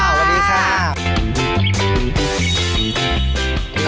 สวัสดีค่ะ